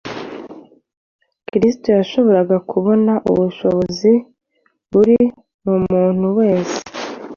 Kristo yashoboraga kubona ubushobozi buri mu muntu wese.